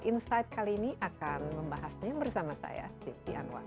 insight kali ini akan membahasnya bersama saya desi anwar